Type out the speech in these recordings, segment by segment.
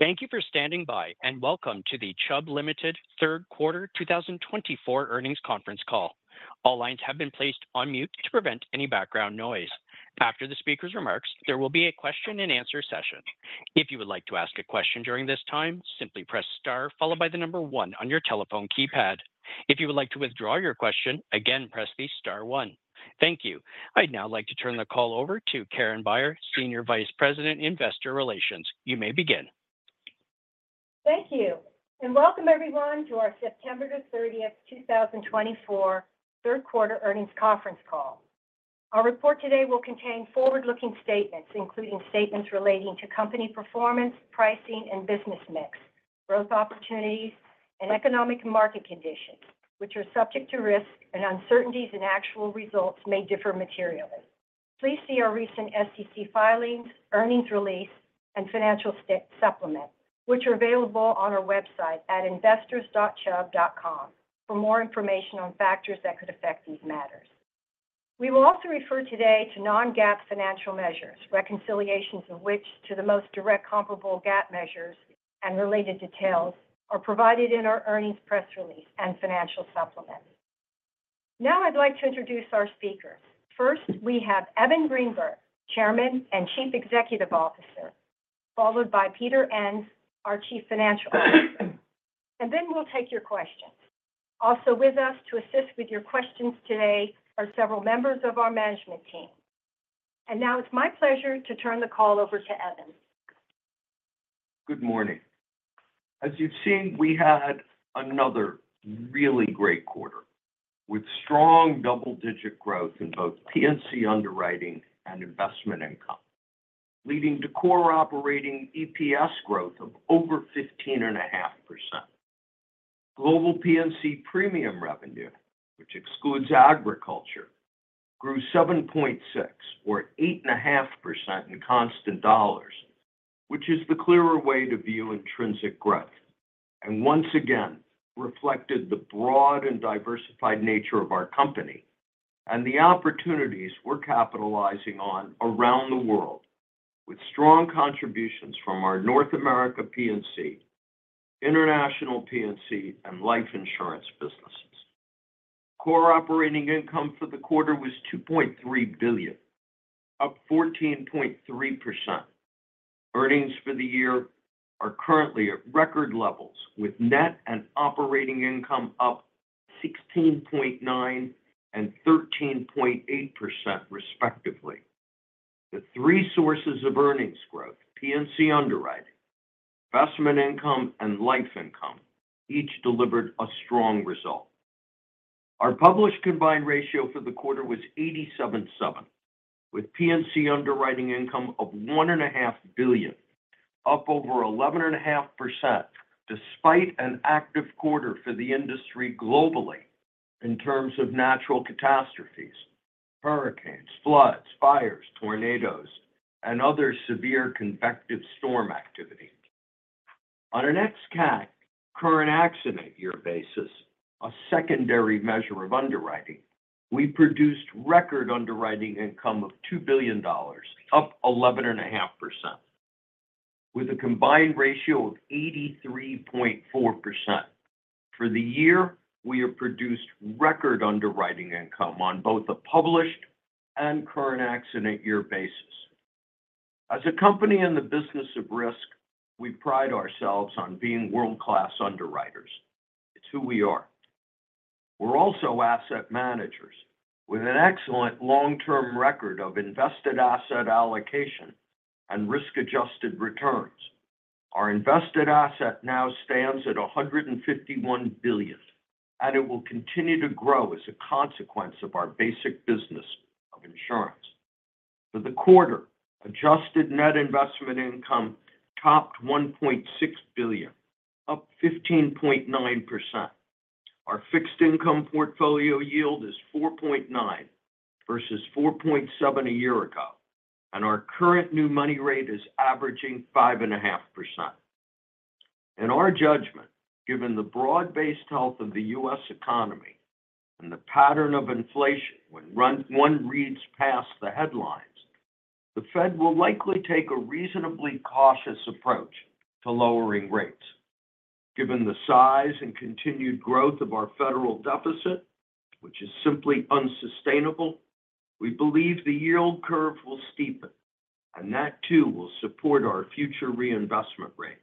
Thank you for standing by, and welcome to the Chubb Limited Third Quarter 2024 Earnings Conference Call. All lines have been placed on mute to prevent any background noise. After the speaker's remarks, there will be a question-and-answer session. If you would like to ask a question during this time, simply press star followed by the number one on your telephone keypad. If you would like to withdraw your question, again, press the star one. Thank you. I'd now like to turn the call over to Karen Beyer, Senior Vice President, Investor Relations. You may begin. Thank you, and welcome everyone to our September 30, 2024, Third Quarter Earnings Conference Call. Our report today will contain forward-looking statements, including statements relating to company performance, pricing, and business mix, growth opportunities, and economic and market conditions, which are subject to risks and uncertainties, and actual results may differ materially. Please see our recent SEC filings, earnings release, and financial supplement, which are available on our website at investors.chubb.com for more information on factors that could affect these matters. We will also refer today to non-GAAP financial measures, reconciliations of which to the most directly comparable GAAP measures and related details are provided in our earnings press release and financial supplement. Now, I'd like to introduce our speakers. First, we have Evan Greenberg, Chairman and Chief Executive Officer, followed by Peter Enns, our Chief Financial Officer, and then we'll take your questions. Also with us to assist with your questions today are several members of our management team, and now it's my pleasure to turn the call over to Evan. Good morning. As you've seen, we had another really great quarter with strong double-digit growth in both P&C underwriting and investment income, leading to core operating EPS growth of over 15.5%. Global P&C premium revenue, which excludes agriculture, grew 7.6% or 8.5% in constant dollars, which is the clearer way to view intrinsic growth, and once again reflected the broad and diversified nature of our company and the opportunities we're capitalizing on around the world with strong contributions from our North America P&C, international P&C, and life insurance businesses. Core operating income for the quarter was $2.3 billion, up 14.3%. Earnings for the year are currently at record levels, with net and operating income up 16.9% and 13.8%, respectively. The three sources of earnings growth, P&C underwriting, investment income, and life income, each delivered a strong result. Our published combined ratio for the quarter was 87.7, with P&C underwriting income of $1.5 billion, up over 11.5% despite an active quarter for the industry globally in terms of natural catastrophes, hurricanes, floods, fires, tornadoes, and other severe convective storm activity. On an ex-cat, current-accident year basis, a secondary measure of underwriting, we produced record underwriting income of $2 billion, up 11.5%. With a combined ratio of 83.4% for the year, we have produced record underwriting income on both a published and current-accident year basis. As a company in the business of risk, we pride ourselves on being world-class underwriters. It's who we are. We're also asset managers with an excellent long-term record of invested asset allocation and risk-adjusted returns. Our invested asset now stands at $151 billion, and it will continue to grow as a consequence of our basic business of insurance. For the quarter, adjusted net investment income topped $1.6 billion, up 15.9%. Our fixed income portfolio yield is 4.9% versus 4.7% a year ago, and our current new money rate is averaging 5.5%. In our judgment, given the broad-based health of the U.S. economy and the pattern of inflation when one reads past the headlines, the Fed will likely take a reasonably cautious approach to lowering rates. Given the size and continued growth of our federal deficit, which is simply unsustainable, we believe the yield curve will steepen, and that too will support our future reinvestment rate.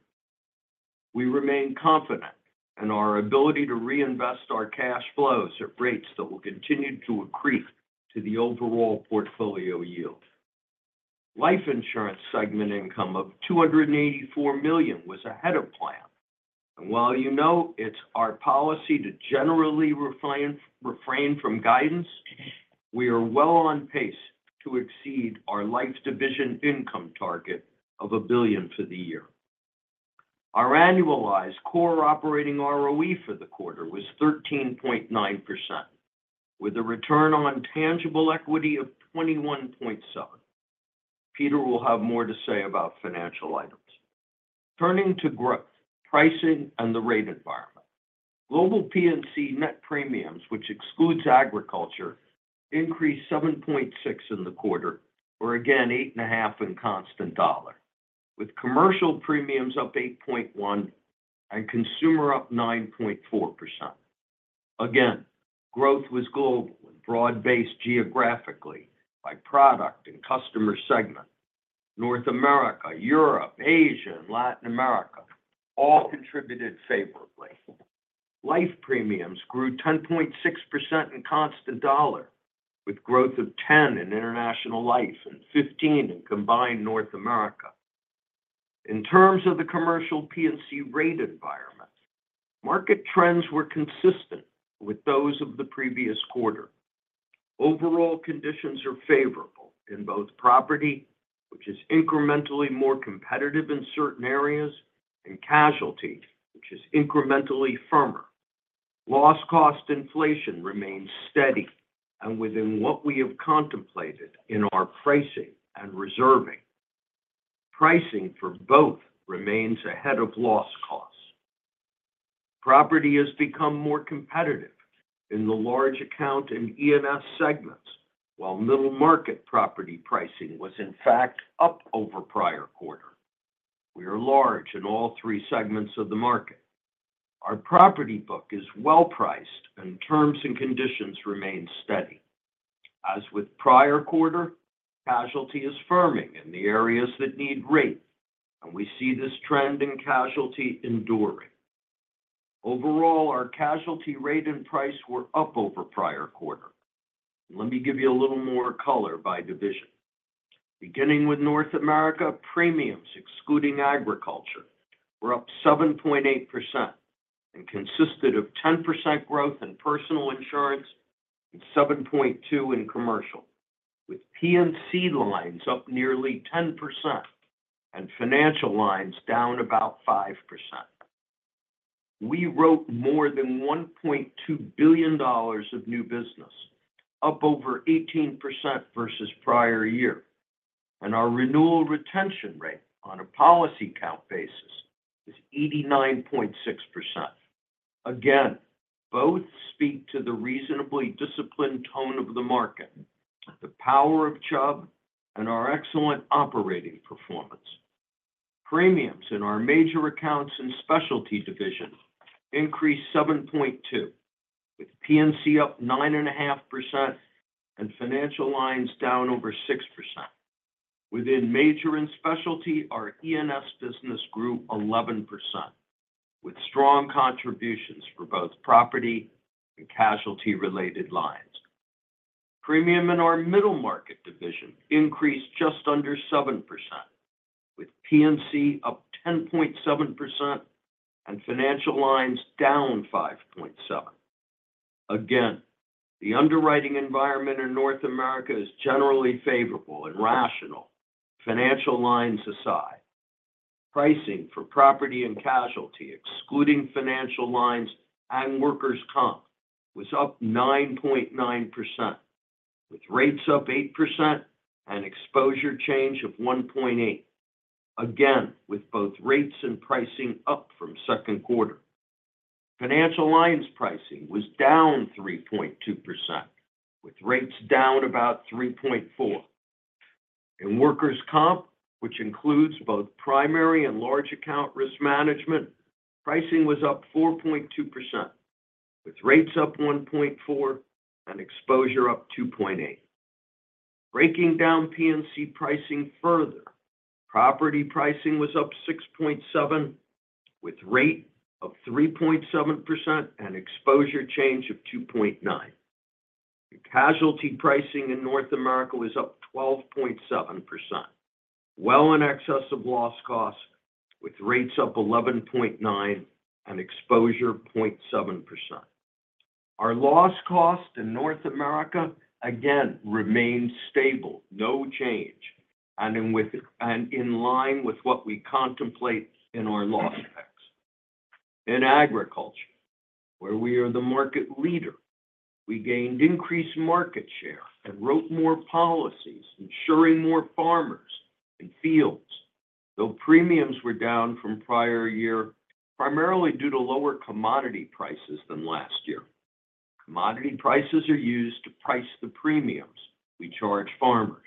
We remain confident in our ability to reinvest our cash flows at rates that will continue to accrete to the overall portfolio yield. Life insurance segment income of $284 million was ahead of plan, and while you know it's our policy to generally refrain from guidance, we are well on pace to exceed our life division income target of $1 billion for the year. Our annualized core operating ROE for the quarter was 13.9%, with a return on tangible equity of 21.7%. Peter will have more to say about financial items. Turning to growth, pricing, and the rate environment, global P&C net premiums, which excludes agriculture, increased 7.6% in the quarter, or again 8.5% in constant dollar, with commercial premiums up 8.1% and consumer up 9.4%. Again, growth was global and broad-based geographically by product and customer segment. North America, Europe, Asia, and Latin America all contributed favorably. Life premiums grew 10.6% in constant dollar, with growth of 10% in international life and 15% in combined North America. In terms of the commercial P&C rate environment, market trends were consistent with those of the previous quarter. Overall conditions are favorable in both property, which is incrementally more competitive in certain areas, and casualty, which is incrementally firmer. Loss cost inflation remains steady and within what we have contemplated in our pricing and reserving. Pricing for both remains ahead of loss costs. Property has become more competitive in the large account and E&S segments, while middle market property pricing was, in fact, up over prior quarter. We are large in all three segments of the market. Our property book is well priced, and terms and conditions remain steady. As with prior quarter, casualty is firming in the areas that need rate, and we see this trend in casualty enduring. Overall, our casualty rate and price were up over prior quarter. Let me give you a little more color by division. Beginning with North America, premiums excluding agriculture were up 7.8% and consisted of 10% growth in personal insurance and 7.2% in commercial, with P&C lines up nearly 10% and financial lines down about 5%. We wrote more than $1.2 billion of new business, up over 18% versus prior year, and our renewal retention rate on a policy count basis is 89.6%. Again, both speak to the reasonably disciplined tone of the market, the power of Chubb, and our excellent operating performance. Premiums in our major accounts and specialty division increased 7.2%, with P&C up 9.5% and financial lines down over 6%. Within major and specialty, our E&S business grew 11%, with strong contributions for both property and casualty-related lines. Premium in our middle market division increased just under 7%, with P&C up 10.7% and financial lines down 5.7%. Again, the underwriting environment in North America is generally favorable and rational, financial lines aside. Pricing for property and casualty, excluding financial lines and workers' comp, was up 9.9%, with rates up 8% and exposure change of 1.8%, again with both rates and pricing up from second quarter. Financial lines pricing was down 3.2%, with rates down about 3.4%. In workers' comp, which includes both primary and large account risk management, pricing was up 4.2%, with rates up 1.4% and exposure up 2.8%. Breaking down P&C pricing further, property pricing was up 6.7%, with rate up 3.7% and exposure change of 2.9%. Casualty pricing in North America was up 12.7%, well in excess of loss cost, with rates up 11.9% and exposure 0.7%. Our loss cost in North America again remained stable, no change, and in line with what we contemplate in our loss trend. In agriculture, where we are the market leader, we gained increased market share and wrote more policies, ensuring more farmers and fields, though premiums were down from prior year primarily due to lower commodity prices than last year. Commodity prices are used to price the premiums we charge farmers.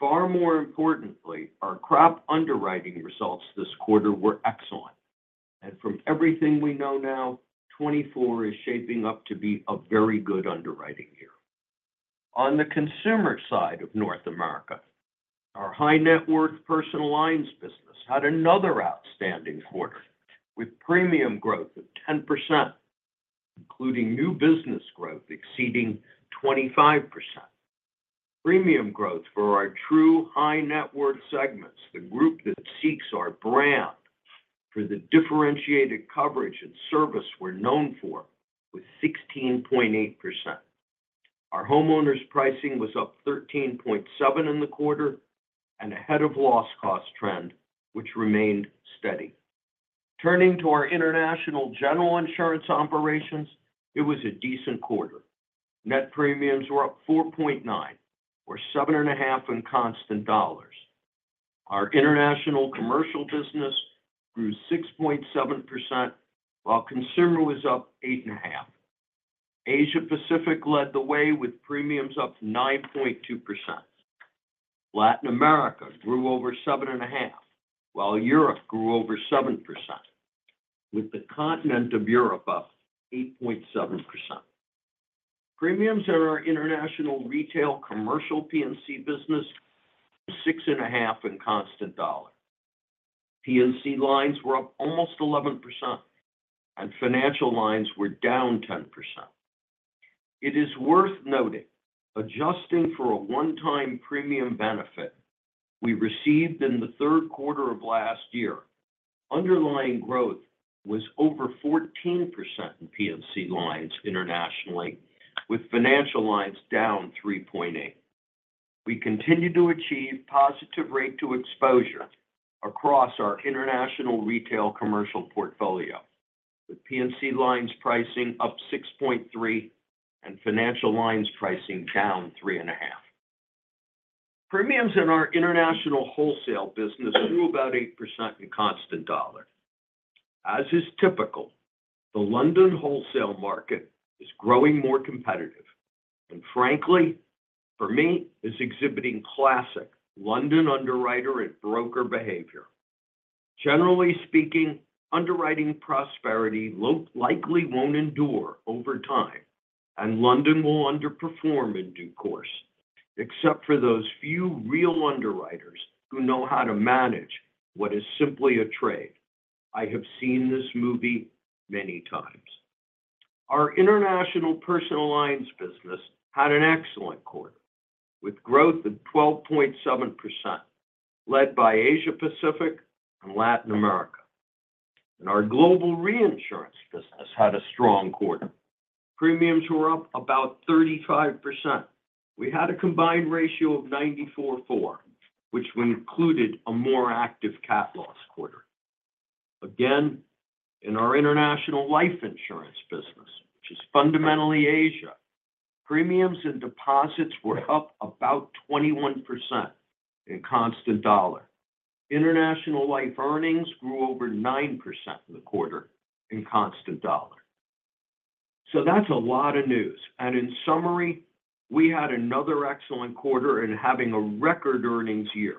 Far more importantly, our crop underwriting results this quarter were excellent, and from everything we know now, 2024 is shaping up to be a very good underwriting year. On the consumer side of North America, our high-net-worth personal lines business had another outstanding quarter with premium growth of 10%, including new business growth exceeding 25%. Premium growth for our true high-net-worth segments, the group that seeks our brand for the differentiated coverage and service we're known for, was 16.8%. Our homeowners' pricing was up 13.7% in the quarter and ahead of loss cost trend, which remained steady. Turning to our international general insurance operations, it was a decent quarter. Net premiums were up 4.9%, or 7.5% in constant dollars. Our international commercial business grew 6.7% while consumer was up 8.5%. Asia-Pacific led the way with premiums up 9.2%. Latin America grew over 7.5% while Europe grew over 7%, with the continent of Europe up 8.7%. Premiums in our international retail commercial P&C business were 6.5% in constant dollar. P&C lines were up almost 11%, and financial lines were down 10%. It is worth noting, adjusting for a one-time premium benefit we received in the third quarter of last year, underlying growth was over 14% in P&C lines internationally, with financial lines down 3.8%. We continue to achieve positive rate to exposure across our international retail commercial portfolio, with P&C lines pricing up 6.3% and financial lines pricing down 3.5%. Premiums in our international wholesale business grew about 8% in constant dollar. As is typical, the London wholesale market is growing more competitive and, frankly, for me, is exhibiting classic London underwriter and broker behavior. Generally speaking, underwriting prosperity likely won't endure over time, and London will underperform in due course, except for those few real underwriters who know how to manage what is simply a trade. I have seen this movie many times. Our international personal lines business had an excellent quarter with growth of 12.7%, led by Asia-Pacific and Latin America. Our global reinsurance business had a strong quarter. Premiums were up about 35%. We had a combined ratio of 94.4, which included a more active cat loss quarter. Again, in our international life insurance business, which is fundamentally Asia, premiums and deposits were up about 21% in constant dollar. International life earnings grew over 9% in the quarter in constant dollar. So that's a lot of news, and in summary, we had another excellent quarter and having a record earnings year.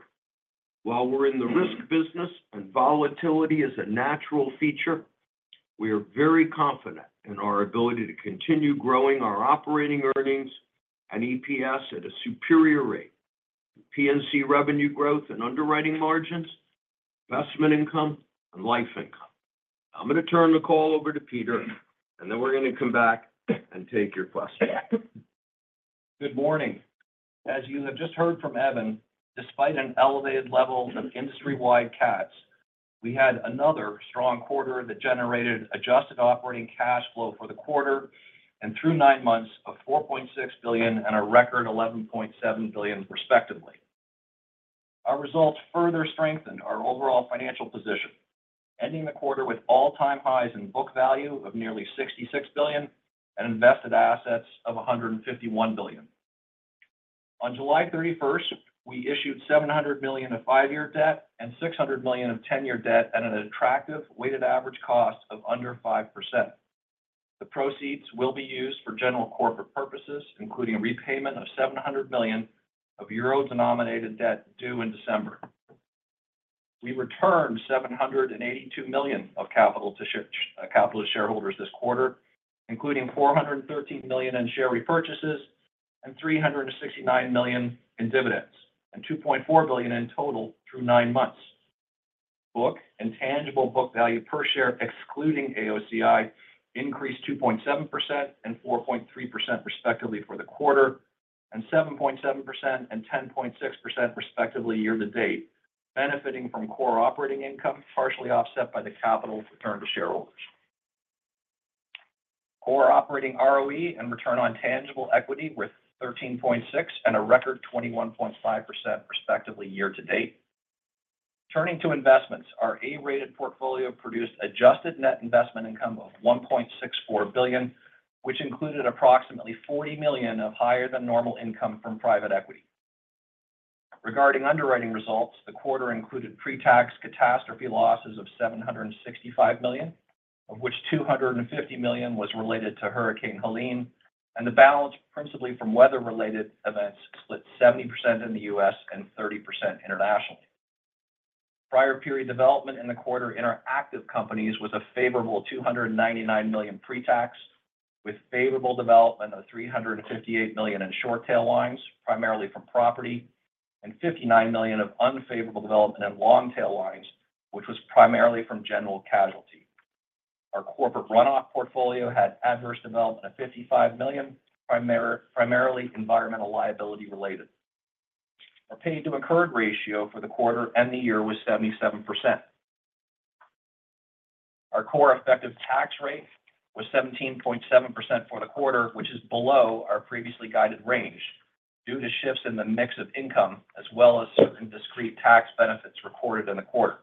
While we're in the risk business and volatility is a natural feature, we are very confident in our ability to continue growing our operating earnings and EPS at a superior rate. P&C revenue growth and underwriting margins, investment income, and life income. I'm going to turn the call over to Peter, and then we're going to come back and take your questions. Good morning. As you have just heard from Evan, despite an elevated level of industry-wide cats, we had another strong quarter that generated adjusted operating cash flow for the quarter and through nine months of $4.6 billion and a record $11.7 billion respectively. Our results further strengthened our overall financial position, ending the quarter with all-time highs in book value of nearly $66 billion and invested assets of $151 billion. On July 31st, we issued $700 million of five-year debt and $600 million of ten-year debt at an attractive weighted average cost of under 5%. The proceeds will be used for general corporate purposes, including repayment of 700 million of euro-denominated debt due in December. We returned $782 million of capital to shareholders this quarter, including $413 million in share repurchases and $369 million in dividends and $2.4 billion in total through nine months. Book and tangible book value per share, excluding AOCI, increased 2.7% and 4.3% respectively for the quarter and 7.7% and 10.6% respectively year to date, benefiting from core operating income partially offset by the capital returned to shareholders. Core operating ROE and return on tangible equity were 13.6% and a record 21.5% respectively year to date. Turning to investments, our A-rated portfolio produced adjusted net investment income of $1.64 billion, which included approximately $40 million of higher-than-normal income from private equity. Regarding underwriting results, the quarter included pre-tax catastrophe losses of $765 million, of which $250 million was related to Hurricane Helene, and the balance principally from weather-related events split 70% in the U.S. and 30% internationally. Prior period development in the quarter in our active companies was a favorable $299 million pre-tax, with favorable development of $358 million in short-tail lines, primarily from property, and $59 million of unfavorable development in long-tail lines, which was primarily from general casualty. Our corporate run-off portfolio had adverse development of $55 million, primarily environmental liability related. Our pay-to-incurred ratio for the quarter and the year was 77%. Our core effective tax rate was 17.7% for the quarter, which is below our previously guided range due to shifts in the mix of income as well as certain discrete tax benefits recorded in the quarter.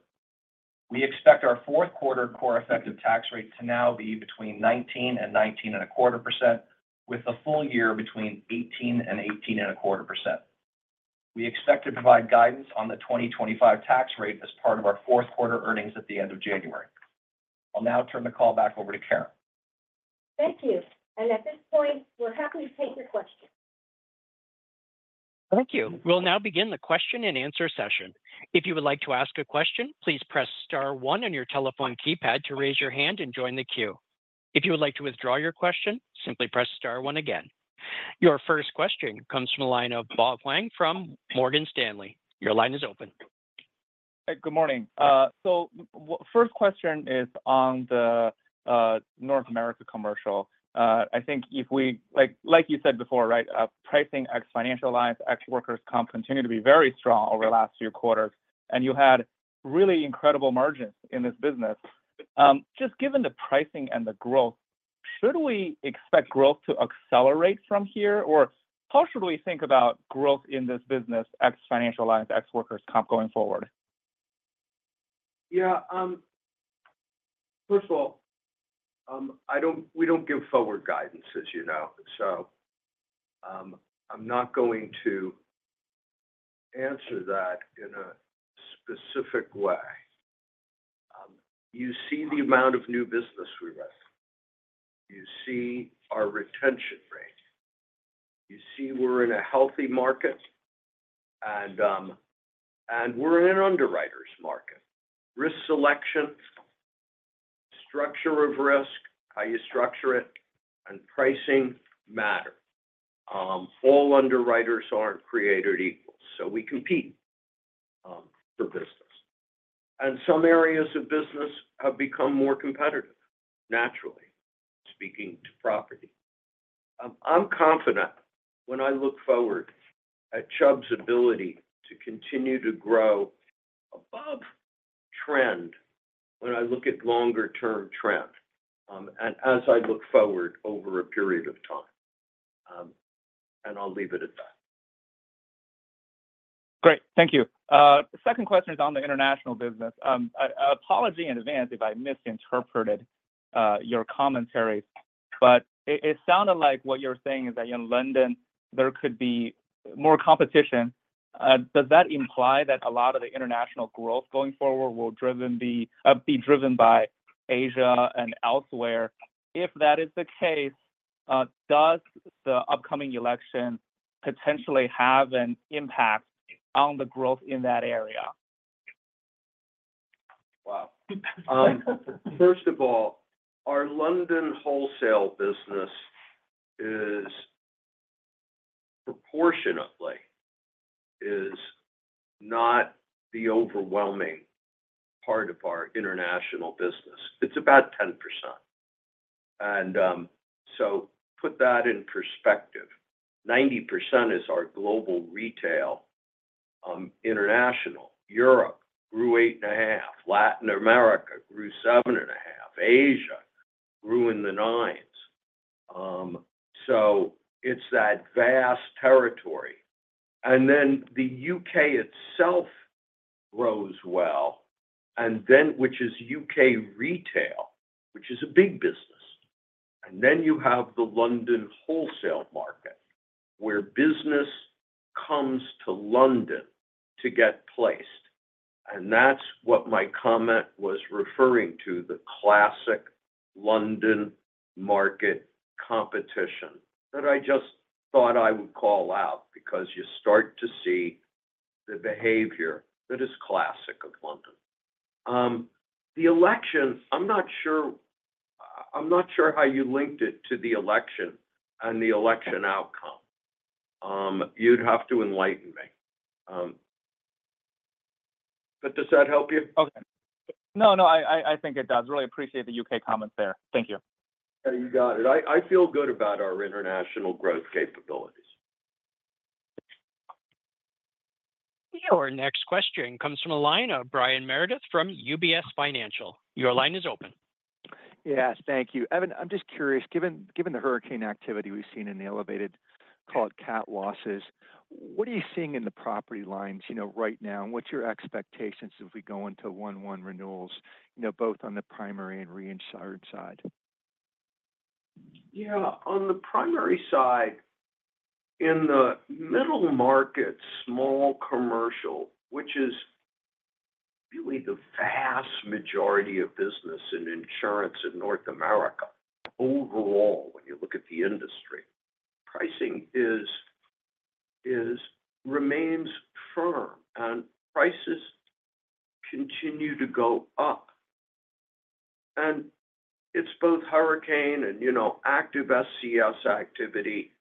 We expect our fourth quarter core effective tax rate to now be between 19 and 19.25%, with the full year between 18 and 18.25%. We expect to provide guidance on the 2025 tax rate as part of our fourth quarter earnings at the end of January. I'll now turn the call back over to Karen. Thank you. And at this point, we're happy to take your questions. Thank you. We'll now begin the question-and-answer session. If you would like to ask a question, please press star one on your telephone keypad to raise your hand and join the queue. If you would like to withdraw your question, simply press star one again. Your first question comes from the line of Bob Huang from Morgan Stanley. Your line is open. Hey, good morning. So first question is on the North America commercial. I think if we, like you said before, right, pricing ex-financial lines, ex-workers' comp continue to be very strong over the last few quarters, and you had really incredible margins in this business. Just given the pricing and the growth, should we expect growth to accelerate from here, or how should we think about growth in this business, ex-financial lines, ex-workers' comp going forward? Yeah. First of all, we don't give forward guidance, as you know, so I'm not going to answer that in a specific way. You see the amount of new business we risk. You see our retention rate. You see we're in a healthy market, and we're in an underwriter's market. Risk selection, structure of risk, how you structure it, and pricing matter. All underwriters aren't created equal, so we compete for business. And some areas of business have become more competitive, naturally, speaking to property. I'm confident when I look forward at Chubb's ability to continue to grow above trend when I look at longer-term trend and as I look forward over a period of time. And I'll leave it at that. Great. Thank you. Second question is on the international business. Apology in advance if I misinterpreted your commentary, but it sounded like what you're saying is that in London, there could be more competition. Does that imply that a lot of the international growth going forward will be driven by Asia and elsewhere? If that is the case, does the upcoming election potentially have an impact on the growth in that area? Wow. First of all, our London wholesale business is proportionately not the overwhelming part of our international business. It's about 10%. And so put that in perspective. 90% is our global retail international. Europe grew 8.5%. Latin America grew 7.5%. Asia grew in the 9s. So it's that vast territory. And then the U.K. itself grows well, which is U.K. retail, which is a big business. And then you have the London wholesale market where business comes to London to get placed. And that's what my comment was referring to, the classic London market competition that I just thought I would call out because you start to see the behavior that is classic of London. The election, I'm not sure how you linked it to the election and the election outcome. You'd have to enlighten me. But does that help you? Okay. No, no, I think it does. Really appreciate the U.K. comments there. Thank you. Yeah, you got it. I feel good about our international growth capabilities. Your next question comes from analyst Brian Meredith from UBS Financial Services. Your line is open. Yes, thank you. Evan, I'm just curious, given the hurricane activity we've seen in the elevated, call it, cat losses, what are you seeing in the property lines right now, and what's your expectations as we go into 1/1 renewals, both on the primary and reinsurance side? Yeah. On the primary side, in the middle market, small commercial, which is really the vast majority of business in insurance in North America overall, when you look at the industry, pricing remains firm, and prices continue to go up. And it's both hurricane and active SCS activity,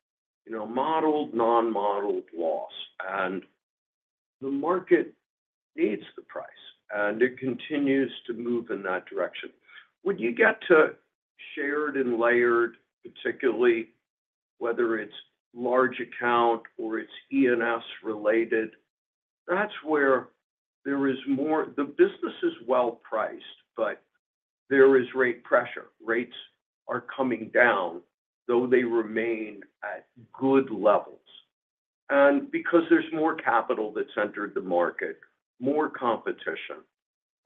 modeled, non-modeled loss. And the market needs the price, and it continues to move in that direction. When you get to shared and layered, particularly whether it's large account or it's E&S related, that's where there is more the business is well priced, but there is rate pressure. Rates are coming down, though they remain at good levels. And because there's more capital that's entered the market, more competition.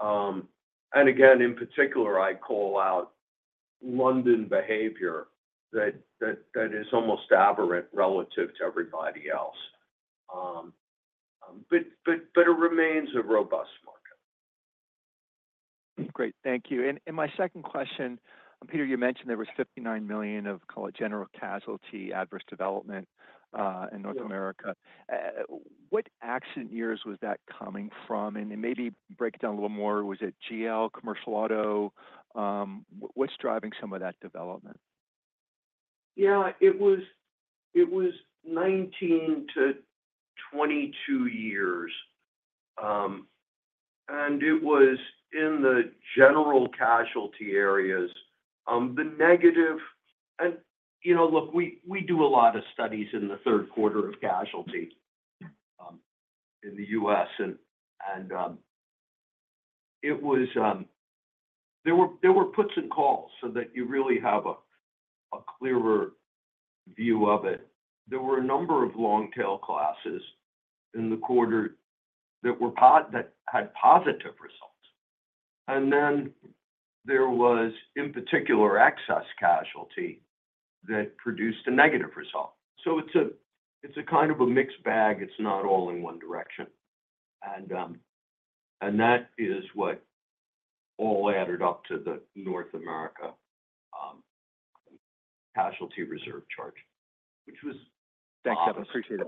And again, in particular, I call out London behavior that is almost aberrant relative to everybody else. But it remains a robust market. Great. Thank you. And my second question, Peter, you mentioned there was $59 million of, call it, general casualty, adverse development in North America. What accident years was that coming from? And maybe break it down a little more. Was it GL, commercial auto? What's driving some of that development? Yeah. It was 2019 to 2022 years. And it was in the general casualty areas, the negative. And look, we do a lot of studies in the third quarter of casualty in the U.S. And there were puts and takes so that you really have a clearer view of it. There were a number of long-tail classes in the quarter that had positive results. And then there was, in particular, excess casualty that produced a negative result. So it's a kind of a mixed bag. It's not all in one direction. And that is what all added up to the North America casualty reserve charge, which was. Thank you. I appreciate it.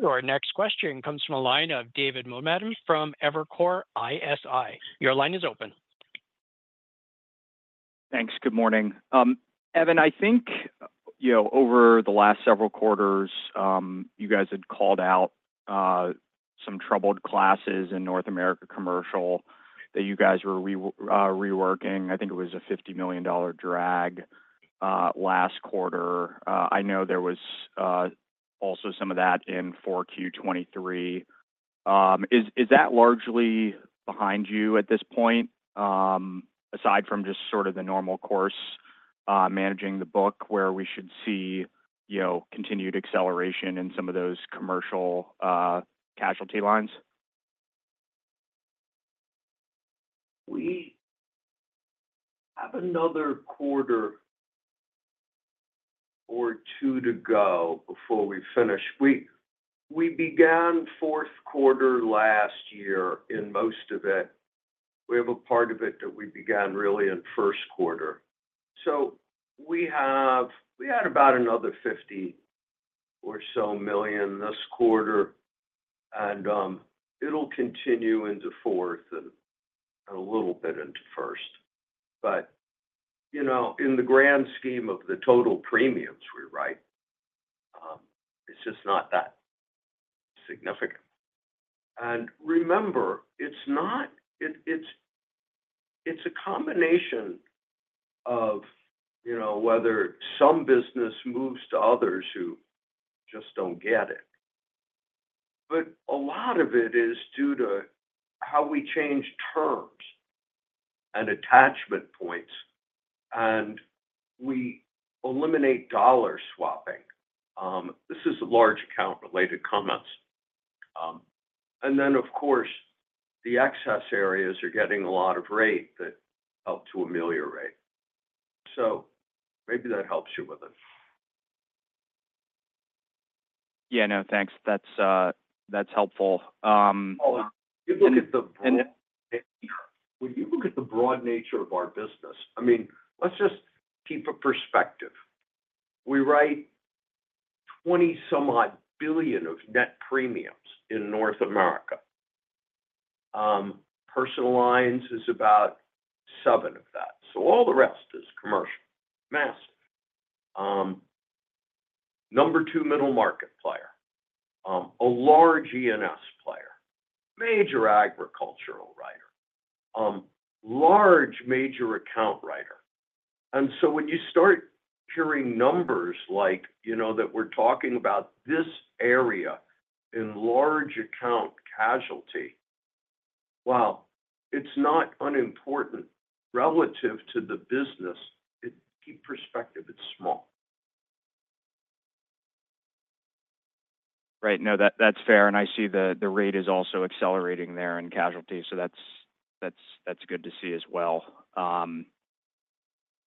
Your next question comes from David Motemaden from Evercore ISI. Your line is open. Thanks. Good morning. Evan, I think over the last several quarters, you guys had called out some troubled classes in North America commercial that you guys were reworking. I think it was a $50 million drag last quarter. I know there was also some of that in Q4 23. Is that largely behind you at this point, aside from just sort of the normal course managing the book where we should see continued acceleration in some of those commercial casualty lines? We have another quarter or two to go before we finish. We began fourth quarter last year in most of it. We have a part of it that we began really in first quarter. So we had about another $50 million or so this quarter, and it'll continue into fourth and a little bit into first. But in the grand scheme of the total premiums we write, it's just not that significant. And remember, it's a combination of whether some business moves to others who just don't get it. But a lot of it is due to how we change terms and attachment points, and we eliminate dollar swapping. This is a large account-related comments. And then, of course, the excess areas are getting a lot of rate that help to ameliorate. So maybe that helps you with it. Yeah. No, thanks. That's helpful. When you look at the broad nature of our business, I mean, let's just keep a perspective. We write $20-some-odd billion of net premiums in North America. Personal lines is about seven of that. So all the rest is commercial, massive. Number two, middle market player, a large E&S player, major agricultural writer, large major account writer. And so when you start hearing numbers like that we're talking about this area in large account casualty, well, it's not unimportant relative to the business. Keep perspective. It's small. Right. No, that's fair. And I see the rate is also accelerating there in casualty. So that's good to see as well.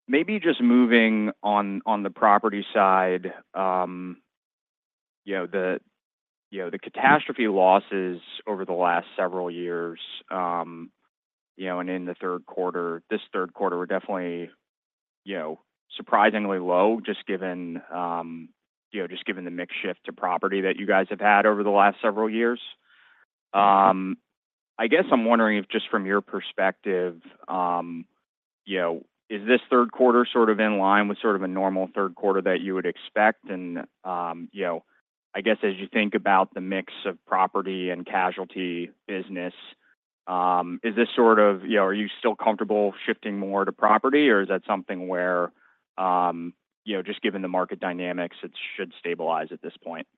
Maybe just moving on the property side, the catastrophe losses over the last several years and in the third quarter, this third quarter were definitely surprisingly low, just given the mixed shift to property that you guys have had over the last several years. I guess I'm wondering if just from your perspective, is this third quarter sort of in line with sort of a normal third quarter that you would expect? And I guess as you think about the mix of property and casualty business, is this sort of are you still comfortable shifting more to property, or is that something where, just given the market dynamics, it should stabilize at this point?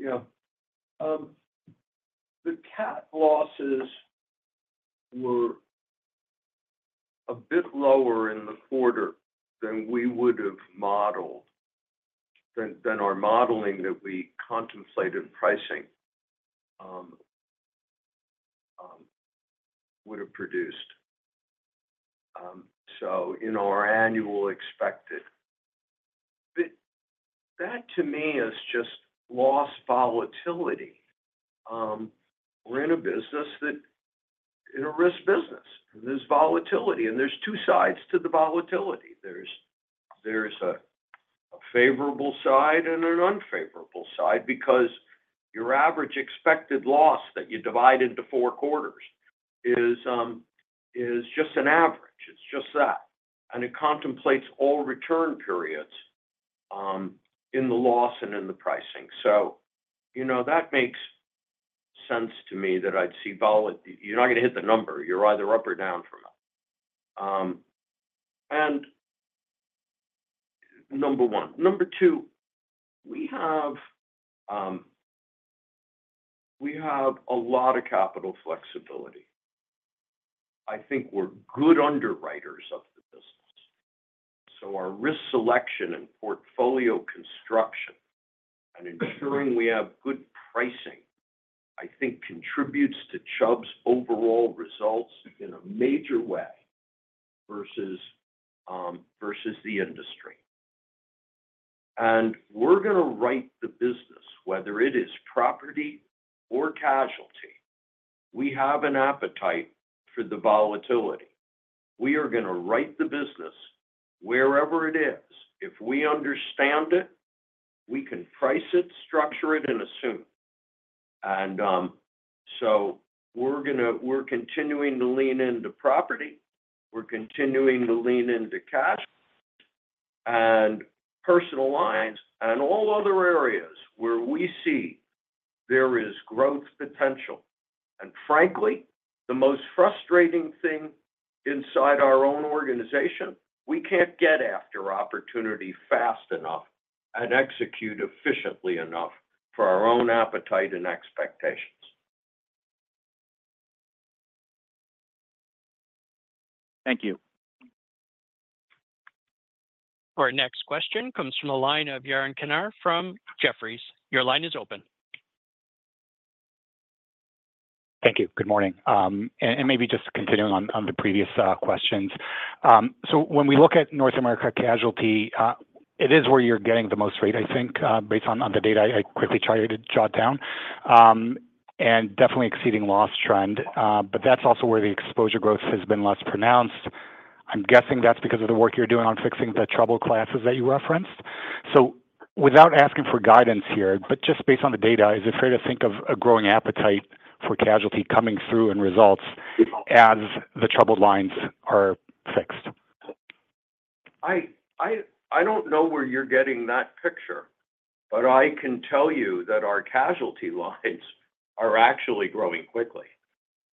Yeah. The cat losses were a bit lower in the quarter than we would have modeled, than our modeling that we contemplated pricing would have produced. So in our annual expected, that to me is just loss volatility. We're in a business that is a risk business. There's volatility, and there's two sides to the volatility. There's a favorable side and an unfavorable side because your average expected loss that you divide into four quarters is just an average. It's just that. And it contemplates all return periods in the loss and in the pricing. So that makes sense to me that I'd see volatility. You're not going to hit the number. You're either up or down from it. And number one. Number two, we have a lot of capital flexibility. I think we're good underwriters of the business. So our risk selection and portfolio construction and ensuring we have good pricing, I think, contributes to Chubb's overall results in a major way versus the industry. And we're going to write the business, whether it is property or casualty. We have an appetite for the volatility. We are going to write the business wherever it is. If we understand it, we can price it, structure it, and assume. And so we're continuing to lean into property. We're continuing to lean into casualty and personal lines and all other areas where we see there is growth potential. And frankly, the most frustrating thing inside our own organization, we can't get after opportunity fast enough and execute efficiently enough for our own appetite and expectations. Thank you. Our next question comes from Yaron Kinar from Jefferies. Your line is open. Thank you. Good morning. And maybe just continuing on the previous questions. So when we look at North America casualty, it is where you're getting the most rate, I think, based on the data I quickly tried to jot down, and definitely exceeding loss trend. But that's also where the exposure growth has been less pronounced. I'm guessing that's because of the work you're doing on fixing the trouble classes that you referenced. So without asking for guidance here, but just based on the data, is it fair to think of a growing appetite for casualty coming through in results as the troubled lines are fixed? I don't know where you're getting that picture, but I can tell you that our casualty lines are actually growing quickly.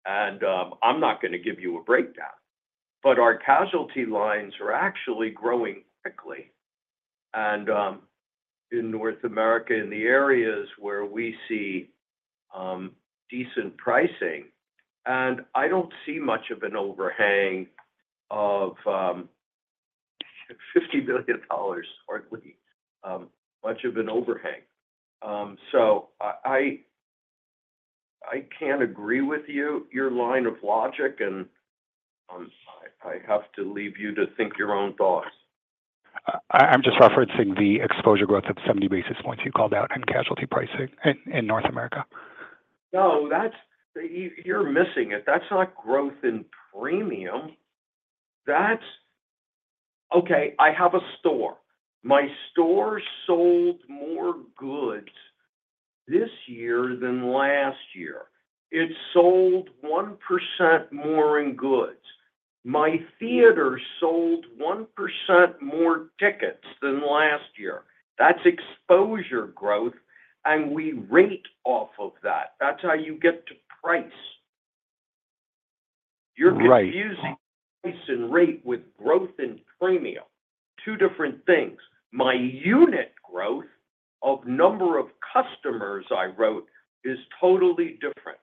And I'm not going to give you a breakdown, but our casualty lines are actually growing quickly in North America in the areas where we see decent pricing. And I don't see much of an overhang of $50 million, hardly much of an overhang. So I can't agree with you, your line of logic, and I have to leave you to think your own thoughts. I'm just referencing the exposure growth of 70 basis points you called out in casualty pricing in North America. No, you're missing it. That's not growth in premium. Okay. I have a store. My store sold more goods this year than last year. It sold 1% more in goods. My theater sold 1% more tickets than last year. That's exposure growth, and we rate off of that. That's how you get to price. You're confusing price and rate with growth and premium, two different things. My unit growth of number of customers I wrote is totally different.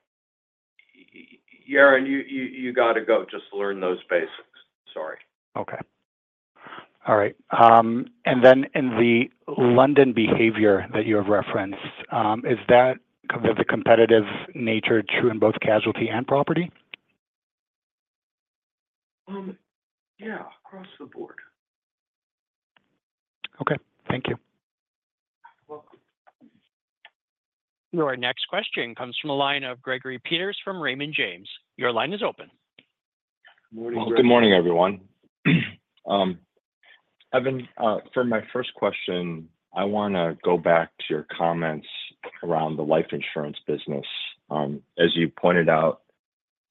Yeah. You got to go just learn those basics. Sorry. Okay. All right. And then in the London behavior that you have referenced, is that the competitive nature true in both casualty and property? Yeah. Across the board. Okay. Thank you. Your next question comes from Gregory Peters from Raymond James. Your line is open. Good morning, everyone. Evan, for my first question, I want to go back to your comments around the life insurance business. As you pointed out,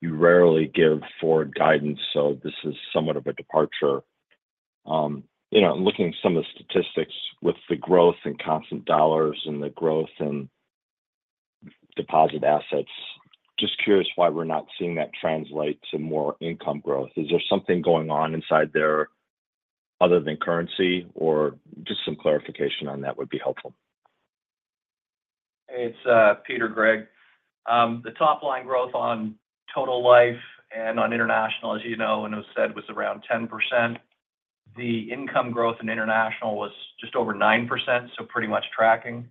you rarely give forward guidance, so this is somewhat of a departure. Looking at some of the statistics with the growth and constant dollars and the growth in deposit assets, just curious why we're not seeing that translate to more income growth. Is there something going on inside there other than currency, or just some clarification on that would be helpful? It's Peter, Greg. The top-line growth on total life and on international, as you know and have said, was around 10%. The income growth in international was just over 9%, so pretty much tracking.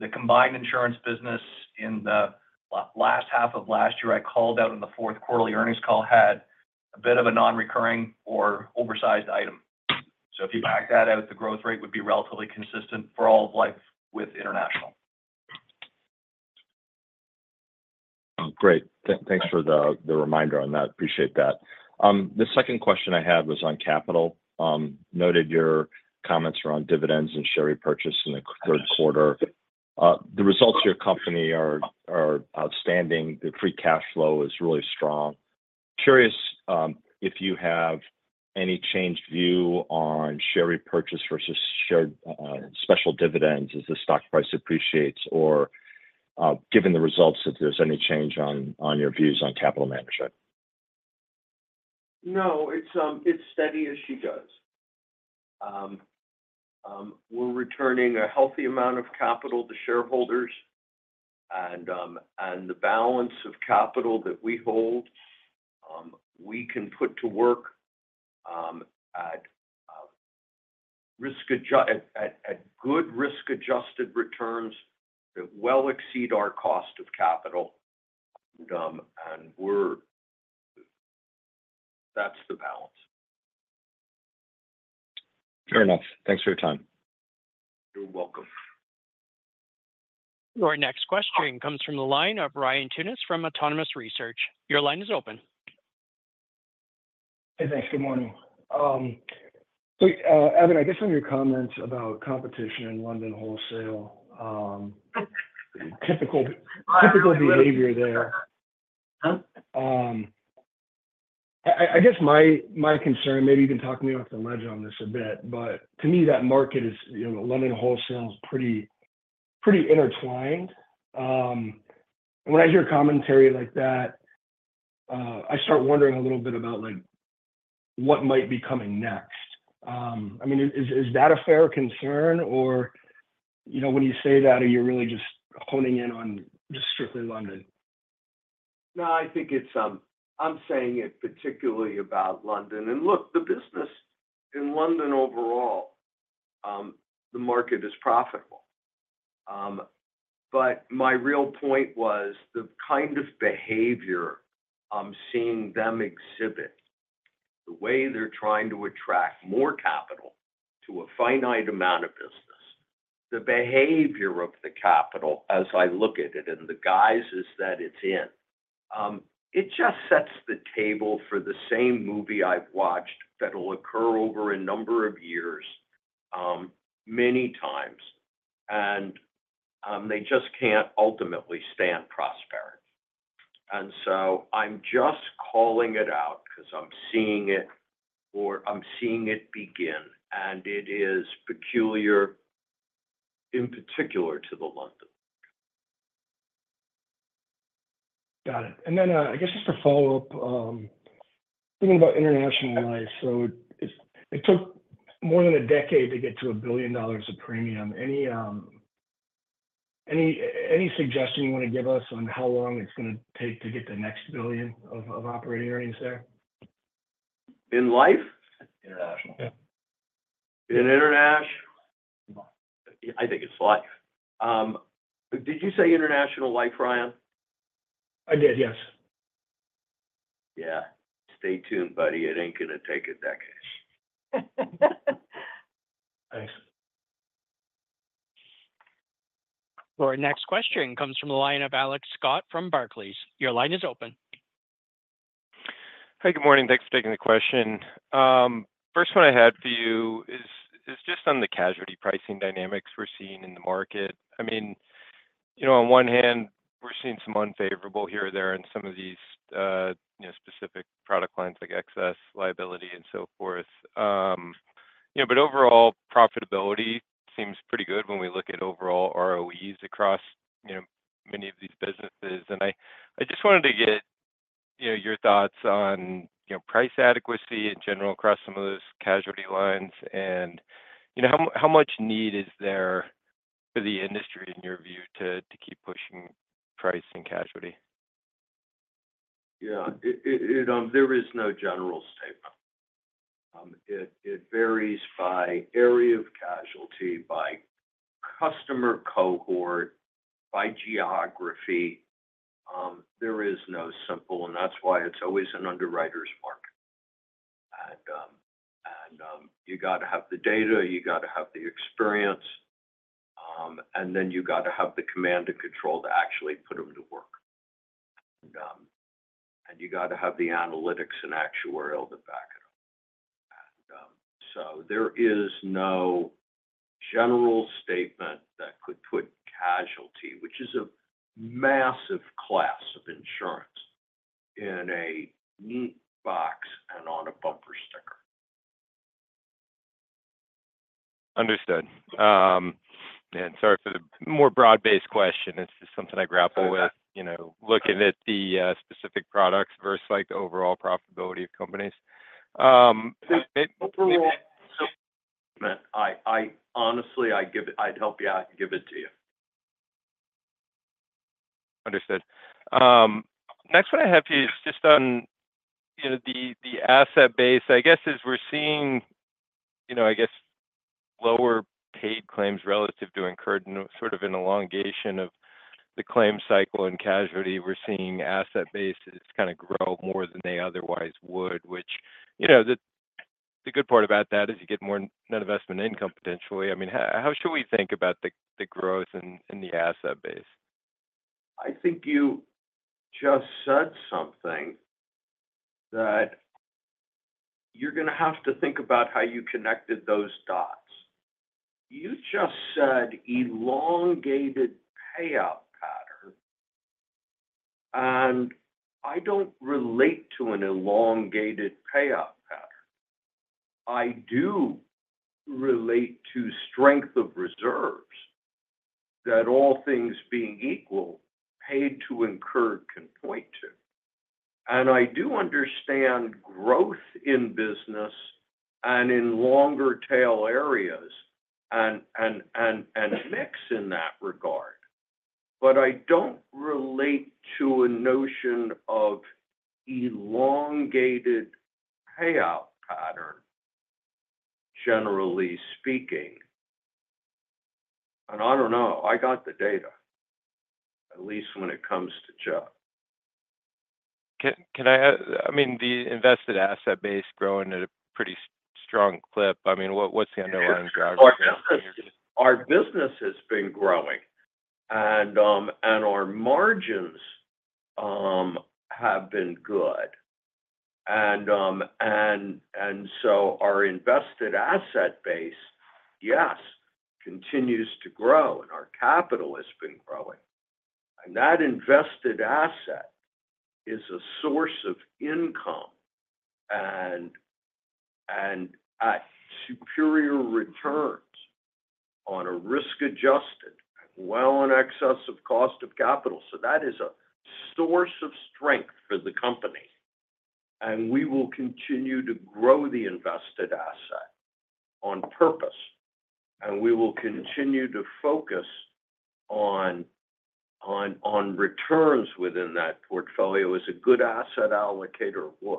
The combined insurance business in the last half of last year I called out in the fourth quarter earnings call had a bit of a non-recurring or oversized item. So if you back that out, the growth rate would be relatively consistent for all of life with international. Great. Thanks for the reminder on that. Appreciate that. The second question I had was on capital. Noted your comments around dividends and share repurchase in the third quarter. The results of your company are outstanding. The free cash flow is really strong. Curious if you have any changed view on share repurchase versus special dividends as the stock price appreciates or given the results, if there's any change on your views on capital management. No. It's steady as she does. We're returning a healthy amount of capital to shareholders, and the balance of capital that we hold, we can put to work at good risk-adjusted returns that well exceed our cost of capital. And that's the balance. Fair enough. Thanks for your time. You're welcome. Your next question comes from Ryan Tunis from Autonomous Research. Your line is open. Hey, thanks. Good morning. Evan, I guess on your comments about competition in London wholesale, typical behavior there. I guess my concern, maybe you can talk to me off the ledge on this a bit, but to me, that market is London wholesale is pretty intertwined. When I hear commentary like that, I start wondering a little bit about what might be coming next. I mean, is that a fair concern? Or when you say that, are you really just honing in on just strictly London? No, I think it's. I'm saying it particularly about London. And look, the business in London overall, the market is profitable. But my real point was the kind of behavior I'm seeing them exhibit, the way they're trying to attract more capital to a finite amount of business, the behavior of the capital as I look at it and the guises that it's in, it just sets the table for the same movie I've watched that will occur over a number of years many times. And they just can't ultimately stand prosperity. And so I'm just calling it out because I'm seeing it or I'm seeing it begin. And it is peculiar in particular to the London. Got it. And then I guess just to follow up, thinking about international life, so it took more than a decade to get to $1 billion of premium. Any suggestion you want to give us on how long it's going to take to get the next $1 billion of operating earnings there? In life? International. In international? I think it's life. Did you say international life, Ryan? I did, yes. Yeah. Stay tuned, buddy. It ain't going to take decades. Thanks. Your next question comes from Alex Scott from Barclays. Your line is open. Hey, good morning. Thanks for taking the question. First one I had for you is just on the casualty pricing dynamics we're seeing in the market. I mean, on one hand, we're seeing some unfavorable here or there in some of these specific product lines like excess, liability, and so forth. But overall, profitability seems pretty good when we look at overall ROEs across many of these businesses, and I just wanted to get your thoughts on price adequacy in general across some of those casualty lines and how much need is there for the industry in your view to keep pushing price and casualty. Yeah. There is no general statement. It varies by area of casualty, by customer cohort, by geography. There is no simple, and that's why it's always an underwriter's market. And you got to have the data. You got to have the experience. And then you got to have the command and control to actually put them to work. And you got to have the analytics and actuarial to back it up. So there is no general statement that could put casualty, which is a massive class of insurance, in a neat box and on a bumper sticker. Understood. And sorry for the more broad-based question. It's just something I grapple with looking at the specific products versus the overall profitability of companies. Honestly, I'd help you out and give it to you. Understood. Next one I have for you is just on the asset base. I guess as we're seeing, lower paid claims relative to incurred sort of an elongation of the claim cycle and casualty, we're seeing asset bases kind of grow more than they otherwise would, which the good part about that is you get more net investment income potentially. I mean, how should we think about the growth in the asset base? I think you just said something that you're going to have to think about how you connected those dots. You just said elongated payout pattern, and I don't relate to an elongated payout pattern. I do relate to strength of reserves that all things being equal, pay-to-incurred can point to. And I do understand growth in business and in longer tail areas and mix in that regard, but I don't relate to a notion of elongated payout pattern, generally speaking, and I don't know. I got the data, at least when it comes to the Fed. I mean, the invested asset base growing at a pretty strong clip. I mean, what's the underlying driver? Our business has been growing, and our margins have been good, and so our invested asset base, yes, continues to grow, and our capital has been growing. And that invested asset is a source of income and superior returns on a risk-adjusted, well in excess of cost of capital. So that is a source of strength for the company. And we will continue to grow the invested asset on purpose. And we will continue to focus on returns within that portfolio as a good asset allocator would,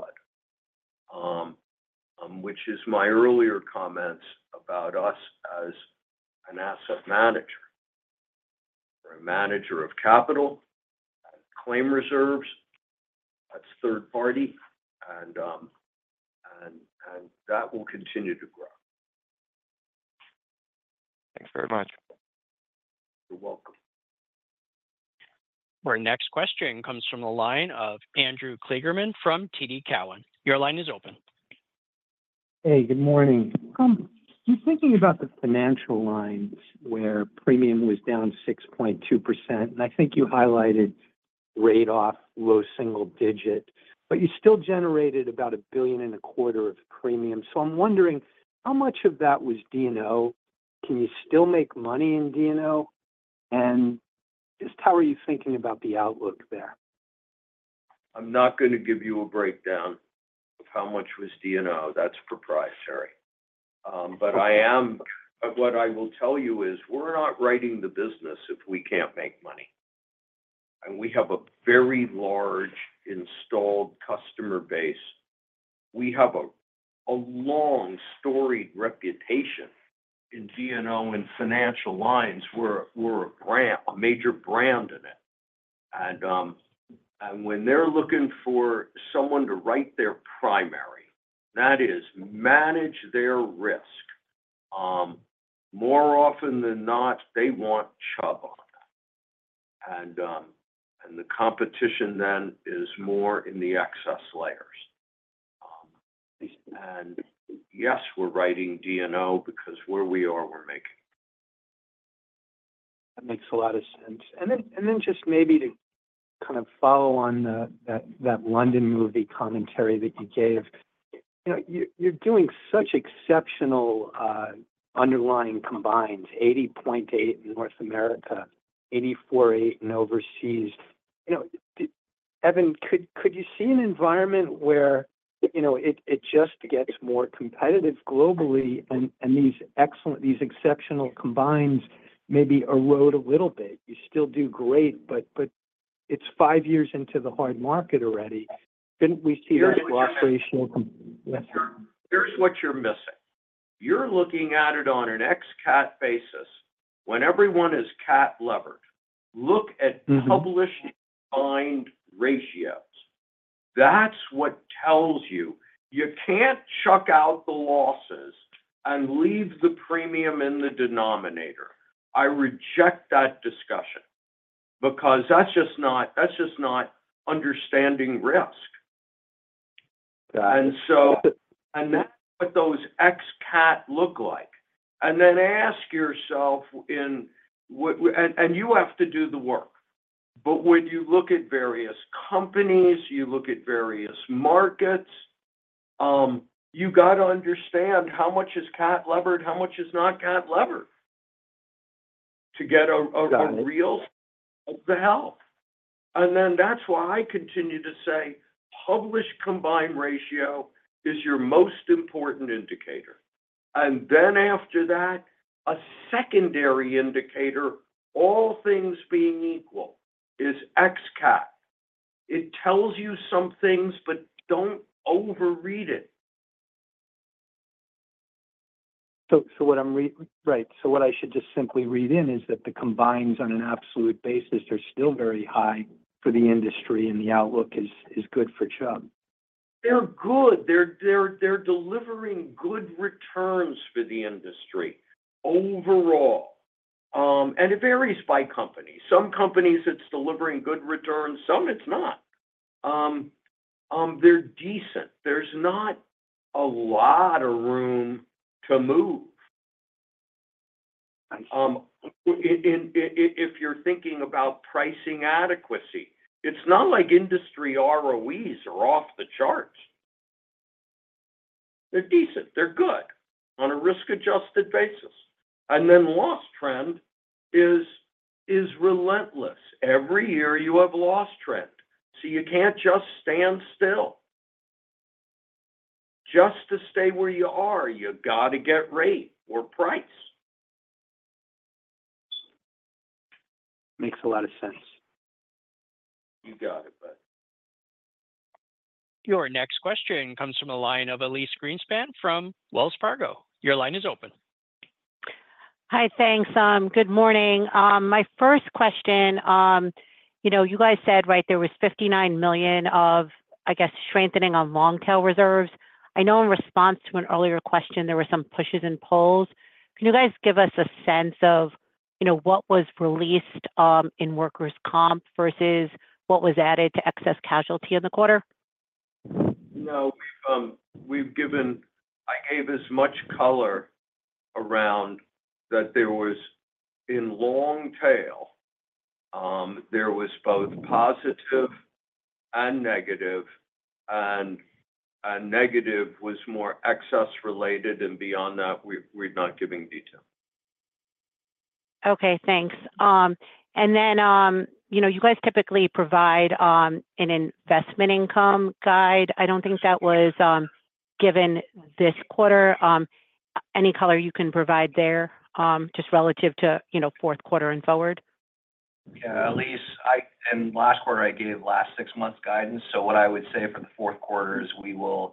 which is my earlier comments about us as an asset manager or a manager of capital and claim reserves. That's third party. And that will continue to grow. Thanks very much. You're welcome. Our next question comes from Andrew Kligerman from TD Cowen. Your line is open. Hey, good morning. You're thinking about the financial lines where premium was down 6.2%. And I think you highlighted rate off, low single digit, but you still generated about $1.25 billion of premium. So I'm wondering how much of that was D&O? Can you still make money in D&O? And just how are you thinking about the outlook there? I'm not going to give you a breakdown of how much was D&O. That's proprietary. But what I will tell you is we're not writing the business if we can't make money. And we have a very large installed customer base. We have a long-storied reputation in D&O and financial lines. We're a major brand in it. And when they're looking for someone to write their primary, that is manage their risk, more often than not, they want Chubb on that. And the competition then is more in the excess layers. And yes, we're writing D&O because where we are, we're making it. That makes a lot of sense. And then just maybe to kind of follow on that London market commentary that you gave, you're doing such exceptional underlying combined 80.8% in North America, 84.8% in overseas. Evan, could you see an environment where it just gets more competitive globally and these exceptional combined maybe erode a little bit? You still do great, but it's five years into the hard market already. Didn't we see that combined ratio? Here's what you're missing. You're looking at it on an ex-cat basis. When everyone is cat levered, look at published combined ratios. That's what tells you. You can't chuck out the losses and leave the premium in the denominator. I reject that discussion because that's just not understanding risk. And that's what those ex-cat look like. And then ask yourself, and you have to do the work. But when you look at various companies, you look at various markets, you got to understand how much is cat levered, how much is not cat levered to get a real feel for the whole. And then that's why I continue to say published combined ratio is your most important indicator. And then after that, a secondary indicator, all things being equal, is ex-cat. It tells you some things, but don't overread it. So what I'm trying to say is that the combined on an absolute basis are still very high for the industry, and the outlook is good for Chubb. They're good. They're delivering good returns for the industry overall. And it varies by company. Some companies, it's delivering good returns. Some, it's not. They're decent. There's not a lot of room to move. If you're thinking about pricing adequacy, it's not like industry ROEs are off the charts. They're decent. They're good on a risk-adjusted basis. And then loss trend is relentless. Every year you have a loss trend. So you can't just stand still. Just to stay where you are, you got to get rate or price. Makes a lot of sense. You got it, buddy. Your next question comes from Elyse Greenspan from Wells Fargo. Your line is open. Hi, thanks. Good morning. My first question, you guys said, right, there was $59 million of, I guess, strengthening on long-tail reserves. I know in response to an earlier question, there were some pushes and pulls. Can you guys give us a sense of what was released in workers' comp versus what was added to excess casualty in the quarter? No, we've given. I gave as much color around that. There was in long tail, there was both positive and negative. And negative was more excess related. And beyond that, we're not giving detail. Okay, thanks. And then you guys typically provide an investment income guide. I don't think that was given this quarter. Any color you can provide there just relative to fourth quarter and forward? Yeah. And last quarter, I gave last six months guidance. So what I would say for the fourth quarter is we will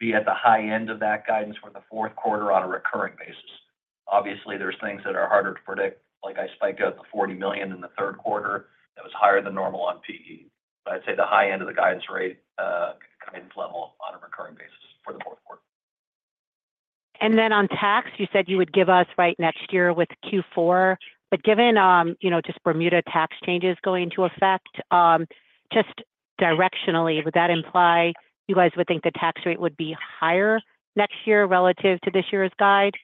be at the high end of that guidance for the fourth quarter on a recurring basis. Obviously, there's things that are harder to predict. Like, the spike of the $40 million in the third quarter that was higher than normal on PE. But I'd say the high end of the guidance rate kind of level on a recurring basis for the fourth quarter. And then on tax, you said you would give us right next year with Q4. But given just Bermuda tax changes going into effect, just directionally, would that imply you guys would think the tax rate would be higher next year relative to this year's guide?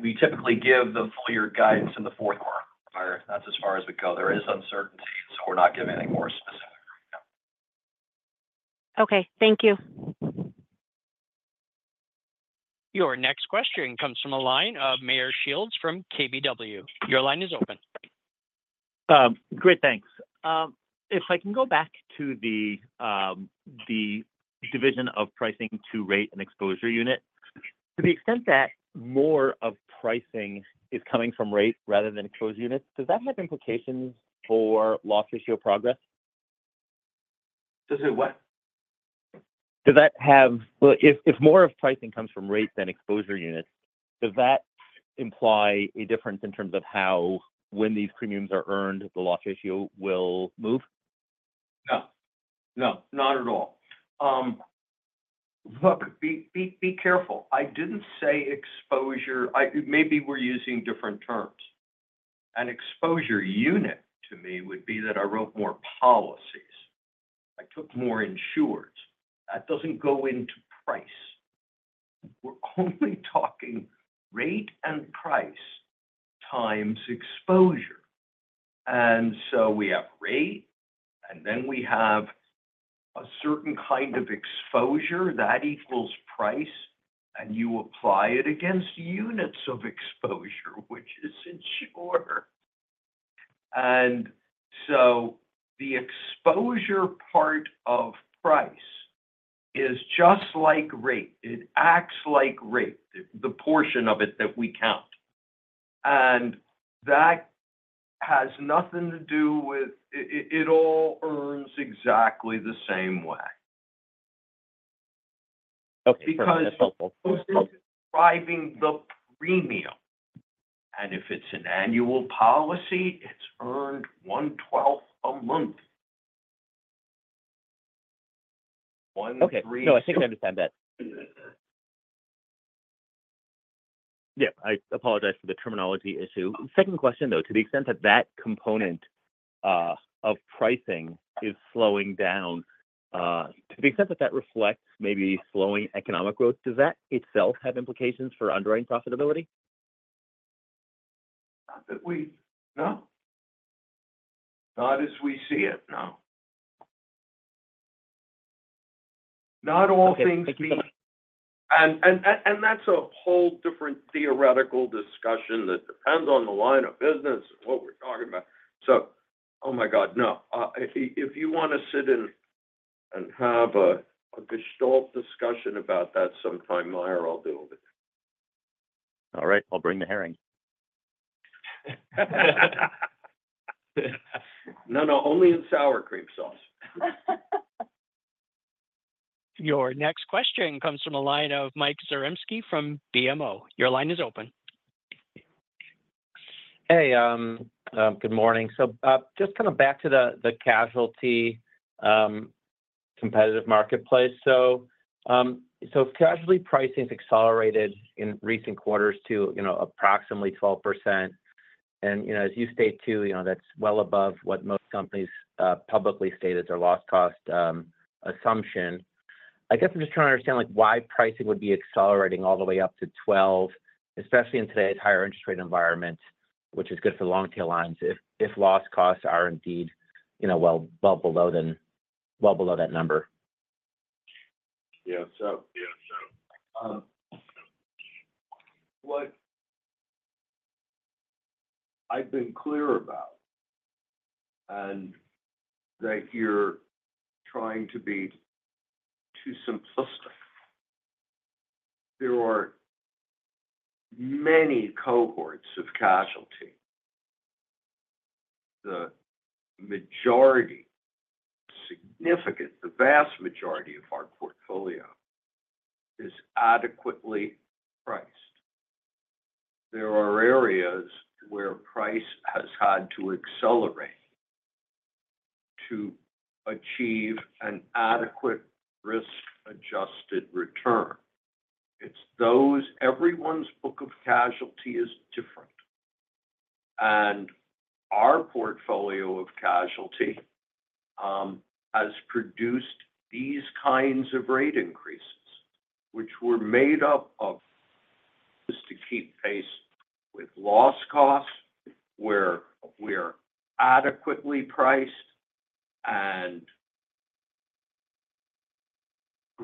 We typically give the full year guidance in the fourth quarter. That's as far as we go. There is uncertainty. So we're not giving any more specific right now. Okay. Thank you. Your next question comes from the line of Meyer Shields from KBW. Your line is open. Great. Thanks. If I can go back to the division of pricing to rate and exposure unit, to the extent that more of pricing is coming from rate rather than exposure units, does that have implications for loss ratio progress? Does it what? If more of pricing comes from rate than exposure units, does that imply a difference in terms of how when these premiums are earned, the loss ratio will move? No, not at all. Look, be careful. I didn't say exposure. Maybe we're using different terms. An exposure unit to me would be that I wrote more policies. I took more insureds. That doesn't go into price. We're only talking rate and price times exposure. And so we have rate, and then we have a certain kind of exposure that equals price, and you apply it against units of exposure, which is insured. And so the exposure part of price is just like rate. It acts like rate, the portion of it that we count. And that has nothing to do with how it all earns exactly the same way. Because it's driving the premium. And if it's an annual policy, it's earned one-twelfth a month. No, I think I understand that. Yeah. I apologize for the terminology issue. Second question, though, to the extent that that component of pricing is slowing down, to the extent that that reflects maybe slowing economic growth, does that itself have implications for underwriting profitability? No. Not as we see it, no. Not all things being. And that's a whole different theoretical discussion that depends on the line of business, what we're talking about. So, oh my God, no. If you want to sit and have a gestalt discussion about that sometime later, I'll do it. All right. I'll bring the herring. No, no. Only in sour cream sauce. Your next question comes from analyst Mike Zaremski from BMO. Your line is open. Hey, good morning. So just kind of back to the casualty competitive marketplace. So casualty pricing has accelerated in recent quarters to approximately 12%. And as you state too, that's well above what most companies publicly stated their loss cost assumption. I guess I'm just trying to understand why pricing would be accelerating all the way up to 12%, especially in today's higher interest rate environment, which is good for long-tail lines if loss costs are indeed well below that number. Yeah. So what I've been clear about and that you're trying to be too simplistic, there are many cohorts of casualty. The majority, significant, the vast majority of our portfolio is adequately priced. There are areas where price has had to accelerate to achieve an adequate risk-adjusted return. It's those. Everyone's book of casualty is different. And our portfolio of casualty has produced these kinds of rate increases, which were made up of, to keep pace with loss costs where we're adequately priced and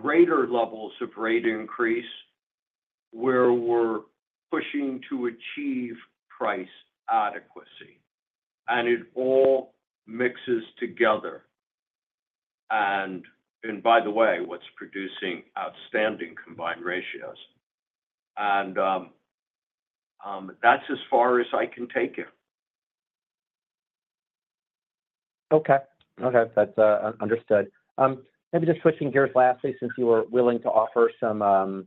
greater levels of rate increase where we're pushing to achieve price adequacy. And it all mixes together. And, by the way, what's producing outstanding combined ratios. And that's as far as I can take it. Okay. That's understood. Maybe just switching gears lastly, since you were willing to offer some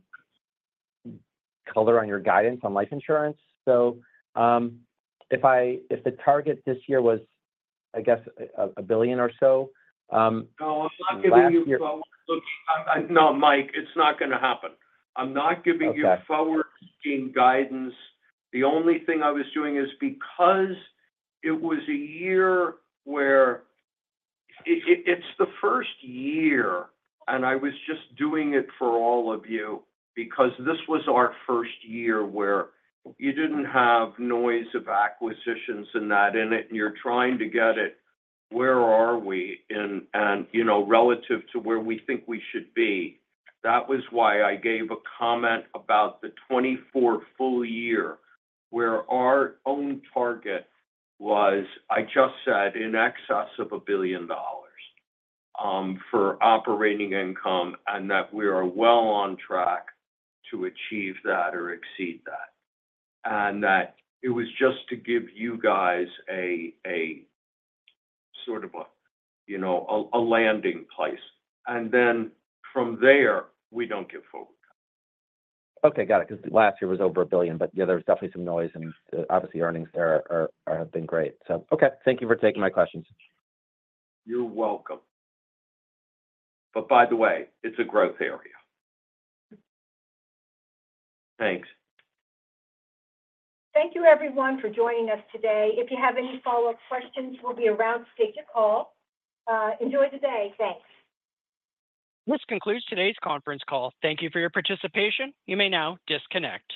color on your guidance on life insurance. So if the target this year was, I guess, a billion or so. No, I'm not giving you forward look. No, Mike, it's not going to happen. I'm not giving you forward-looking guidance. The only thing I was doing is because it was a year where it's the first year, and I was just doing it for all of you because this was our first year where you didn't have noise of acquisitions and that in it, and you're trying to get it, where are we relative to where we think we should be? That was why I gave a comment about the 2024 full year where our own target was. I just said, in excess of $1 billion for operating income and that we are well on track to achieve that or exceed that, and that it was just to give you guys a sort of a landing place, and then from there, we don't get forward. Okay. Got it. Because last year was over $1 billion, but there was definitely some noise, and obviously, earnings there have been great. So, okay. Thank you for taking my questions. You're welcome. But by the way, it's a growth area. Thanks. Thank you, everyone, for joining us today. If you have any follow-up questions, we'll be around to take your call. Enjoy the day. Thanks. This concludes today's conference call. Thank you for your participation. You may now disconnect.